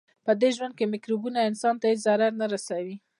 پدې ژوند کې مکروبونه انسان ته هیڅ ضرر نه رسوي.